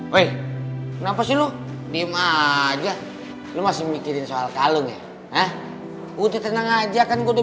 woy kenapa sih lu diem aja lu masih mikirin soal kalung ya hah udah tenang aja kan gue udah